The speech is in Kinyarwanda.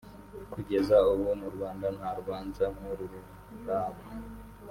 Kugeza ubu mu Rwanda nta rubanza nk’uru ruraba